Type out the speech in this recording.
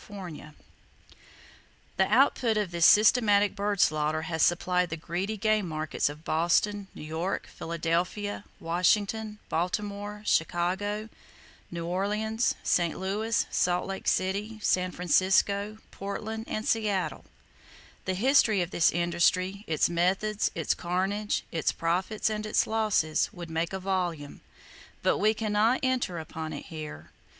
The Purchase of This Island by Mrs. Russell Sage has now Converted it Into a Bird Sanctuary The output of this systematic bird slaughter has supplied the greedy game markets of Boston, New York, Philadelphia, Washington, Baltimore, Chicago, New Orleans, St. Louis, Salt Lake City, San Francisco, Portland, and Seattle. The history of this industry, its methods, its carnage, its profits and its losses would make a volume, but we can not enter upon it here.